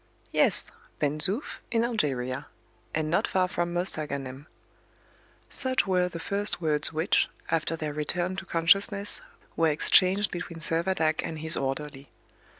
"Yes, Ben Zoof, in Algeria; and not far from Mostaganem." Such were the first words which, after their return to consciousness, were exchanged between Servadac and his orderly.